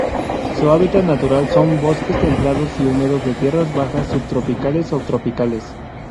Su hábitat natural son bosques templados y húmedos de tierras bajas subtropicales o tropicales.